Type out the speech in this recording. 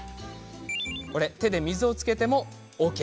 手で水をつけてもＯＫ。